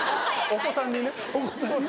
お子さんにね。